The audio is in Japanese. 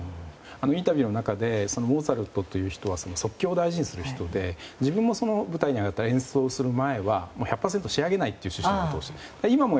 インタビューの中でモーツァルトという人は即興を大事にする人で自分も舞台に上がって演奏する前は１００％仕上げないという趣旨のことをおっしゃっていた。